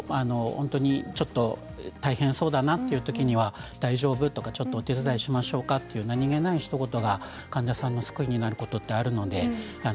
大変そうだなというときには、大丈夫？とかちょっとお手伝いしましょうか？という何気ないひと言が患者さんの救いになることがあります。